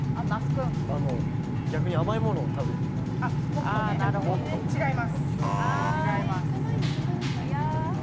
逆に甘いものを食べていく。